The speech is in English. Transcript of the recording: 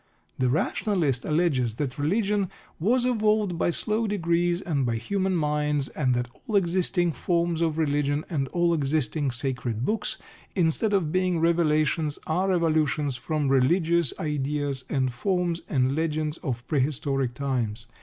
The rationalist alleges that religion was evolved by slow degrees and by human minds, and that all existing forms of religion and all existing "sacred books," instead of being "revelations," are evolutions from religious ideas and forms and legends of prehistoric times.